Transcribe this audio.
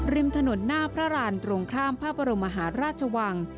ริมถนนหน้าพระรานตรงข้ามพระบรมมหาราชวัง